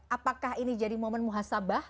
apakah ini jadi momen muhasabah